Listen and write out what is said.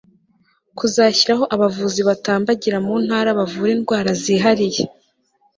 kuzashyiraho abavuzi batambagira mu ntara bavura indwara zihariye